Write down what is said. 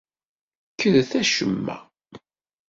Kkret acemma!